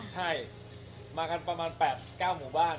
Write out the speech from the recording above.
ใช่มากันประมาณ๘๙หมู่บ้าน